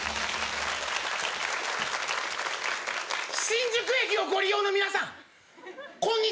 新宿駅をご利用の皆さんこんにちは。